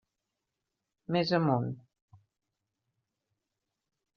Més amunt.